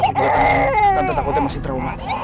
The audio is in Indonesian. kalau tante takutnya masih trauma